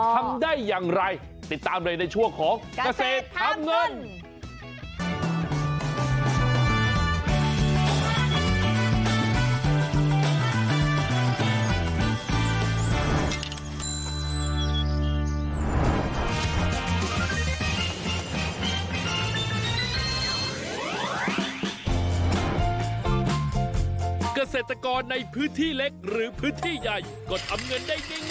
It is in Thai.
ทำได้อย่างไรติดตามเลยในช่วงของเกษตรทำเงิน